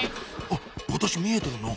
あっ私見えてるの？